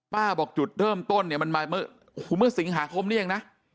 บอกจุดเริ่มต้นเนี่ยมันมาเมื่อสิงหาคมนี้เองนะ